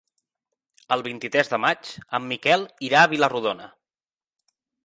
El vint-i-tres de maig en Miquel irà a Vila-rodona.